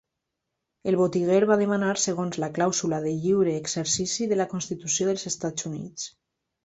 El botiguer va demandar segons la clàusula de lliure exercici de la constitució dels Estats Units.